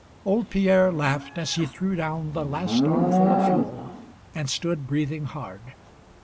Old Pierre laughed as he threw down the last armful of fuel, and stood breathing hard.